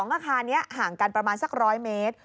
อาคารนี้ห่างกันประมาณสัก๑๐๐เมตร